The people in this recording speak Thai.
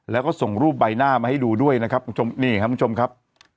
แล้วก็ส่งรูปใบหน้ามาให้ดูด้วยนะครับคุณผู้ชมนี่ครับคุณผู้ชมครับ